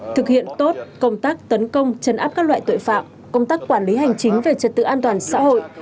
thực hiện tốt công tác tấn công chấn áp các loại tội phạm công tác quản lý hành chính về trật tự an toàn xã hội